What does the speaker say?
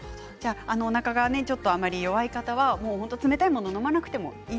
おなかが弱い方は冷たいものを飲まなくてもいい。